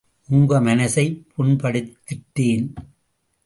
உங்க மனசைப் புண்படுத்திட்டேன்...!